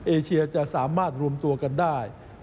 เอเชียจะสามารถรวมตัวกันได้